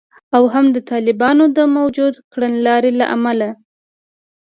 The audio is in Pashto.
او هم د طالبانو د موجوده کړنلارې له امله